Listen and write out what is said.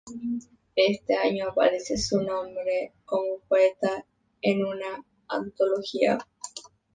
En este año aparece su nombre como poeta en una antología.